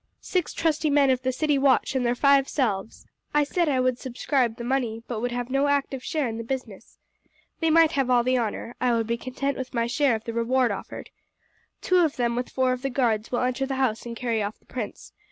"Six trusty men of the city watch and their five selves. I said I would subscribe the money, but would have no active share in the business. They might have all the honour, I would be content with my share of the reward offered. Two of them with four of the guards will enter the house and carry off the prince.